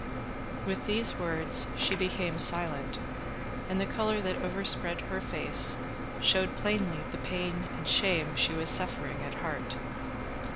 With these words she became silent, and the colour that overspread her face showed plainly the pain and shame she was suffering at heart.